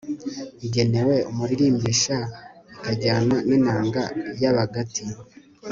igenewe umuririmbisha, ikajyana n'inanga y'abagati